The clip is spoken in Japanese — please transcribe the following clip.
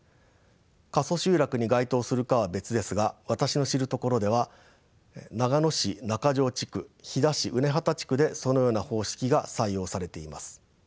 過疎集落に該当するかは別ですが私の知るところでは長野市中条地区飛騨市畦畑地区でそのような方式が採用されています。